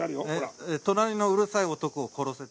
隣のうるさい男を殺せ。